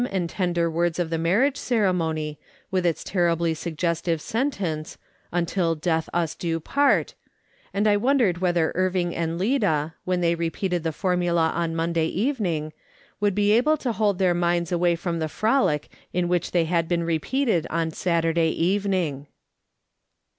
and temler words of tlie marriage ceremony, with its terribly suggestive sentence, " until death us do part," and I wondered whetlier Irving and Lida, when they repeated the formula on Monday evening, would be able to hold their minds away from the frolic in which they had been repeated on Saturday evening.